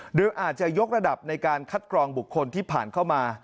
หรืออาจจะยกระดับในการคัดกรองบุคคลที่ผ่านเข้ามา